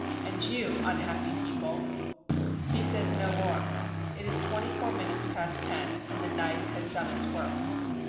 And you, unhappy people —" He says no more. It is twenty four minutes past ten, and the knife has done its work.